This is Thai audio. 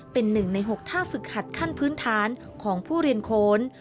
เป็น๑ใน๖ท่าฝึกหัดขั้นพื้นฐานของผู้เรียนโคน